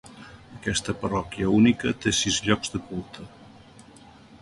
Aquesta parròquia única té sis llocs de culte.